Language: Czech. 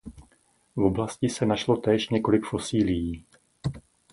V oblasti se našlo též několik fosílií.